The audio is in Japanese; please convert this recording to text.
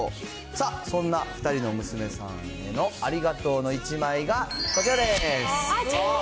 さあ、そんな２人の娘さんへのありがとうの１枚が、こちらです。